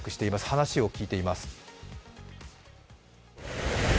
話を聞いています。